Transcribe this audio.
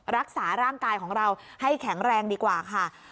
รักษาร่างกายของเราให้แข็งแรงดีกว่าค่ะ